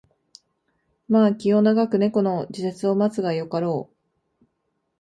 まあ気を永く猫の時節を待つがよかろう